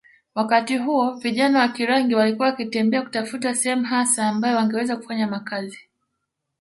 wakati huo vijana wa Kirangi walikuwa wakitembea kutafuta sehemu hasa ambayo wangeweza kufanya makazi